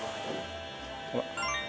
ほら。